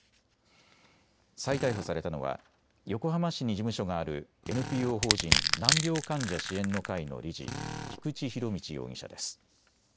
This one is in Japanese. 再逮捕されたのは横浜市に事務所があるＮＰＯ法人難病患者支援の会の理事、菊池仁達容疑者です。